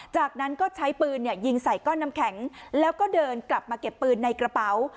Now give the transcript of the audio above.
จากนั้นก็ใช้ปืนยิงใส่ก้อนน้ำแข็งแล้วก็เดินกลับมาเก็บปืนในกระเป๋า